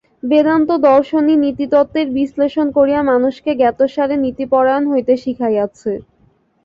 বেদান্ত-দর্শনই নীতিতত্ত্বের বিশ্লেষণ করিয়া মানুষকে জ্ঞাতসারে নীতিপরায়ণ হইতে শিখাইয়াছে।